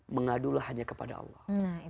mengadulah hanya kepada allah